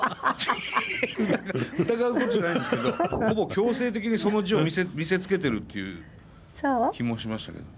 疑うことじゃないんですけどほぼ強制的にその字を見せつけているという気もしましたけど。